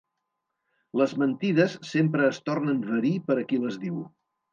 Les mentides sempre es tornen verí per a qui les diu.